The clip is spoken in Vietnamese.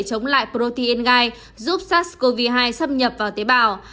chống lại protein ngai giúp sars cov hai xâm nhập vào tế bào